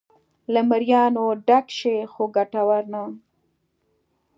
له مریانو ډک شي خو ګټور نه و.